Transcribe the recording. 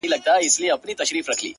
• د تصویر پښتو ته ولوېدم په خیال کي,